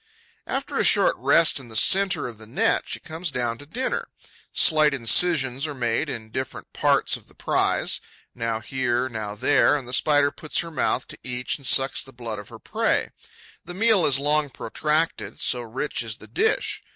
After a short rest in the centre of the net, she comes down to dinner. Slight incisions are made in different parts of the prize, now here, now there; and the Spider puts her mouth to each and sucks the blood of her prey. The meal is long protracted, so rich is the dish.